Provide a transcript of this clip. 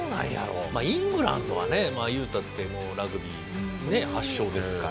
イングランドはね言うたってラグビーね発祥ですから。